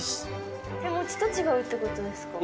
手持ちと違うってことですか？